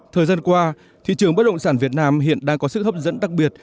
thời gian qua thị trường bất động sản việt nam hiện đang có sự hấp dẫn đặc biệt